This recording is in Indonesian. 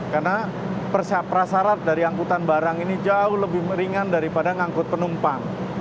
karena prasarat dari angkutan barang ini jauh lebih ringan daripada angkutan penumpang